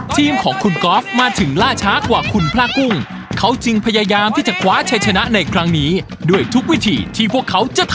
ทิมคุณพลากุ้งได้วางเงินไว้จากงวด๑๘๐๐บาท